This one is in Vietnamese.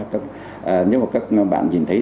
nhưng mà các bạn nhìn thấy